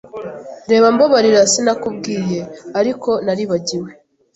Reba, Mbabarira sinakubwiye, ariko naribagiwe.